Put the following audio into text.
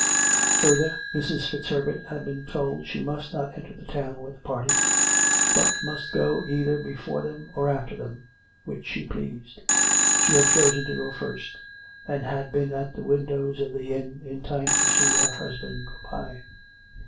Further, Mrs. FitzHerbert had been told she must not enter the town with the party, but must go either before them or after them, which she pleased. She had chosen to go first, and had been at the windows of the inn in time to see her hus band go by.